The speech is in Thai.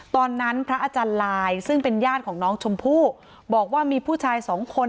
พระอาจารย์ลายซึ่งเป็นญาติของน้องชมพู่บอกว่ามีผู้ชายสองคน